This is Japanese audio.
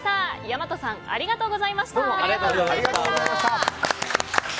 大和さんありがとうございました。